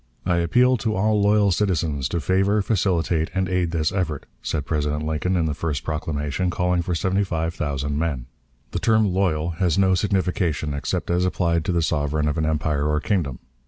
"I appeal to all loyal citizens to favor, facilitate, and aid this effort," said President Lincoln, in the first proclamation, calling for seventy five thousand men. The term "loyal" has no signification except as applied to the sovereign of an empire or kingdom.